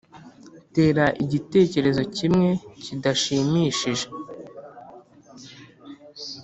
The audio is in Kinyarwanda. tera igitekerezo kimwe kidashimishije.